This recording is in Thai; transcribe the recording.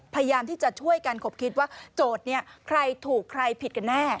พยายามที่จะช่วยกันขบคิดว่าโจทย์เนี่ยใครถูกใครผิดกันแน่